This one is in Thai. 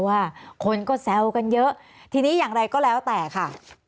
ว่าคนก็แซวกันเยอะทีนี้อย่างไรก็แล้วแต่ค่ะ